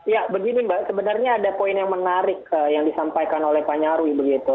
ya begini mbak sebenarnya ada poin yang menarik yang disampaikan oleh pak nyarwi begitu